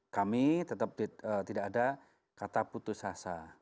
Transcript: kami tetap tidak ada kata putus asa